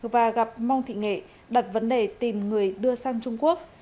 và gặp mong thị nghệ đặt vấn đề tìm người đưa sang trung quốc